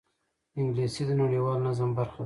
انګلیسي د نړیوال نظم برخه ده